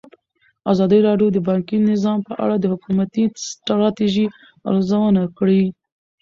ازادي راډیو د بانکي نظام په اړه د حکومتي ستراتیژۍ ارزونه کړې.